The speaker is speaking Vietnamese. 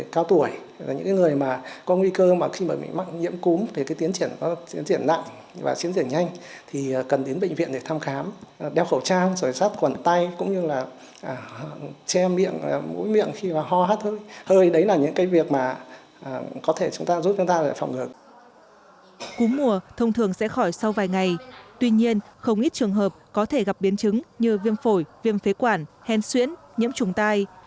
cúm mùa thông thường sẽ khỏi sau vài ngày tuy nhiên không ít trường hợp có thể gặp biến chứng như viêm phổi viêm phế quản hen xuyễn nhiễm trùng tai